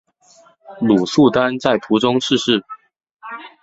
鲁速丹在途中逝世。